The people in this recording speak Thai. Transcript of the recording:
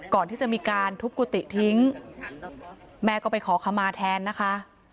ก่อนที่จะมีการทุบกุฏิทิ้งแม่ก็ไปขอขมาแทนนะคะ